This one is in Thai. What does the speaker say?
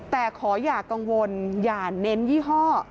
แต่ขออย่ากังวลอย่าเน้นยี่ห้อ